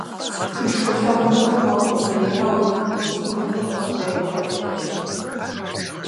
Хышхуэ лъагъуныгъэр къэукъубияуэ, си гур, кхъуафэжьейуэ, кърехуэкӀ.